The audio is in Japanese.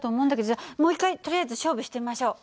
じゃあもう一回とりあえず勝負してみましょう。